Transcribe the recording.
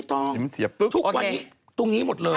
ทุกวันนี้ตรงนี้หมดเลย